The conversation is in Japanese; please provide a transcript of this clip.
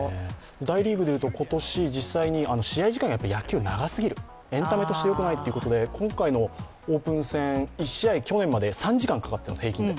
大リーグでいうと今年、実際に試合時間が野球は長すぎる、エンタメとしてよくないということで、今回のオープン戦、１試合３時間かかってたんです、平均で。